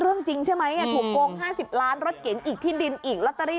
จริงใช่ไหมถูกโกง๕๐ล้านรถเก๋งอีกที่ดินอีกลอตเตอรี่